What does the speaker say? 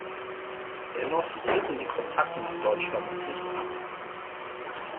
Dennoch rissen die Kontakte nach Deutschland nicht ab.